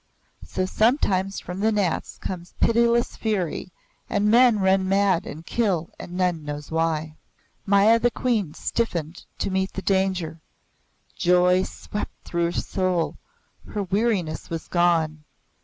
So sometimes from the Nats comes pitiless fury, and men run mad and kill and none knows why. Maya the Queen stiffened to meet the danger. Joy swept through her soul; her weariness was gone.